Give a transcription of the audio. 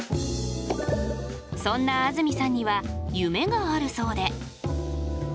そんな安住さんには夢があるそうで。